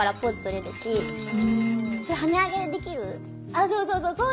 あっそうそうそう。